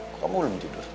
kok kamu belum tidur